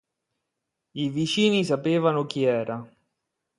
I vicini sapevano chi era.